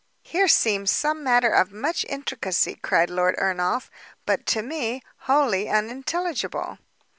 "Here seems some matter of much intricacy," cried Lord Ernolf, "but, to me, wholly unintelligible."